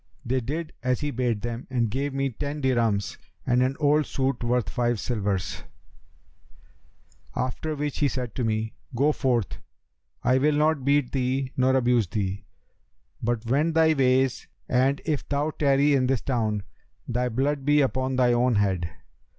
They did as he bade them and gave me ten dirhams and an old suit worth five silvers; after which he said to me, 'Go forth; I will not beat thee nor abuse thee; but wend thy ways and if thou tarry in this town, thy blood be upon thine own head.'